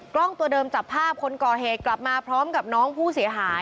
กล้องตัวเดิมจับภาพคนก่อเหตุกลับมาพร้อมกับน้องผู้เสียหาย